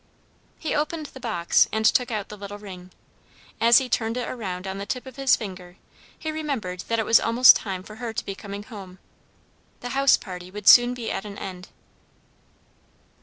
He opened the box and took out the little ring. As he turned it around on the tip of his finger, he remembered that it was almost time for her to be coming home. The house party would soon be at an end.